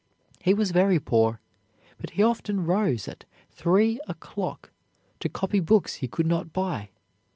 He was very poor, but he often rose at three o'clock to copy books he could not buy.